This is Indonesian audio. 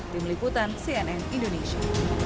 tim liputan cnn indonesia